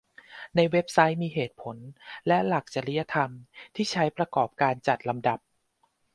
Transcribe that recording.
ในเว็บไซต์มีเหตุผลและหลักจริยธรรมที่ใช้ประกอบการจัดลำดับ